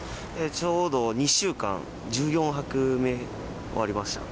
ちょうど２週間、１４泊目終わりました。